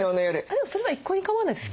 でもそれは一向に構わないです。